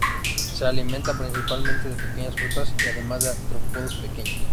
Se alimenta principalmente de pequeñas frutas y además de artrópodos pequeños.